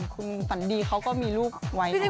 คุณฝันดีเขาก็มีลูกไว้